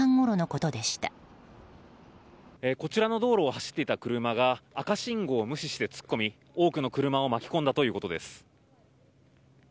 こちらの道路を走っていた車が赤信号を無視して突っ込み多くの車を巻き込んだということです。